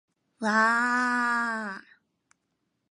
わあああああああ